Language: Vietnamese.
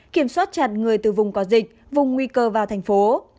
kiểm soát chặt người từ vùng có dịch vùng nguy cơ vào thành phố